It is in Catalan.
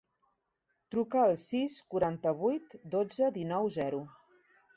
Truca al sis, quaranta-vuit, dotze, dinou, zero.